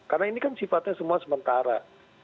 karena ini kan sifatnya semua sementara